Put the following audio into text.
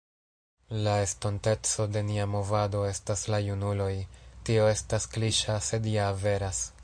La estonteco de nia movado estas la junuloj, tio estas kliŝa sed ja veras.